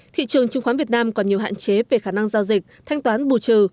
thị trường chứng khoán việt nam còn nhiều hạn chế về khả năng giao dịch thanh toán bù trừ